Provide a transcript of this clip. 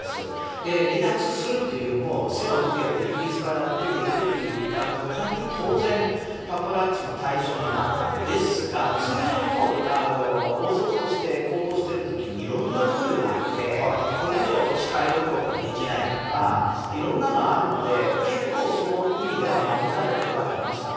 で、離脱するという、もう背を向けてイギリスから出ていくって言ったとたんに、当然、パパラッチの対象になったんですが、通常の王族として行動してるときに、いろんなルールがあって、これ以上近寄ることはできないとか、いろんなのあるので、結構その意味では守られてはいました。